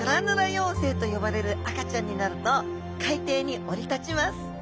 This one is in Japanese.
幼生と呼ばれる赤ちゃんになると海底に降り立ちます。